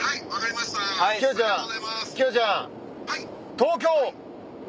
「東京！」。